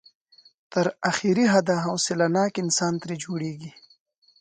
تر اخري حده حوصله ناک انسان ترې جوړېږي.